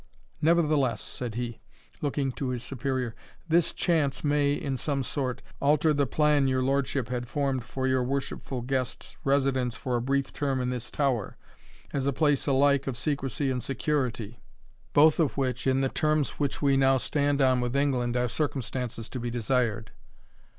Nevertheless," said he, looking to his Superior, "this chance may, in some sort, alter the plan your lordship had formed for your worshipful guest's residence for a brief term in this tower, as a place alike of secrecy and of security; both of which, in the terms which we now stand on with England, are circumstances to be desired."